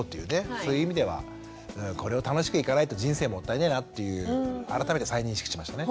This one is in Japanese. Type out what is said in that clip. そういう意味ではこれを楽しくいかないと人生もったいねえなっていう改めて再認識しましたね。